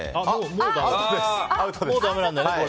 もうダメなんだよね、これ。